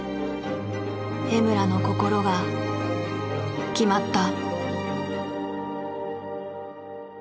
江村の心が決まった。